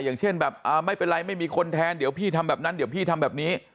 อย่างเช่นแบบไม่เป็นไรไม่มีคนแทนเดี๋ยวพี่ทำแบบนั้นเดี๋ยวพี่ทำแบบนี้